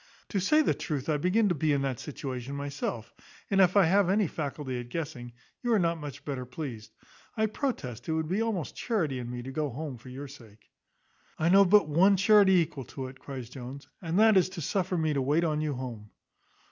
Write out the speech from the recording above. To say the truth, I begin to be in that situation myself; and if I have any faculty at guessing, you are not much better pleased. I protest it would be almost charity in me to go home for your sake." "I know but one charity equal to it," cries Jones, "and that is to suffer me to wait on you home."